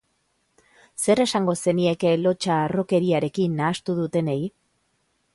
Zer esango zenieke lotsa harrokeriarekin nahastu dutenei?